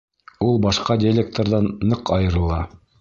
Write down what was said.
Ул башҡа диалекттарҙан ныҡ айырыла.